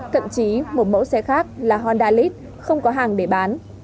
cận trí một mẫu xe khác là honda elite không có hàng để bán